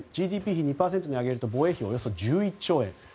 ＧＤＰ比２％に上げると防衛費はおよそ１１兆円。